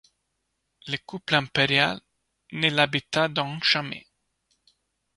Le couple impérial ne l'habita donc jamais.